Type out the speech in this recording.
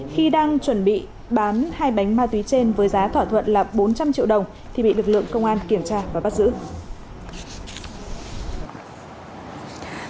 khi đang chuẩn bị bán hai bánh ma túy trên với giá thỏa thuận là bốn trăm linh triệu đồng thì bị lực lượng công an kiểm tra và bắt giữ